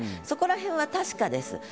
そこらへんは確かです。